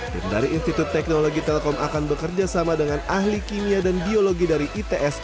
tim dari institut teknologi telkom akan bekerja sama dengan ahli kimia dan biologi dari its